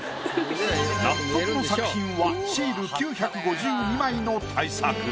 納得の作品はシール９５２枚の大作。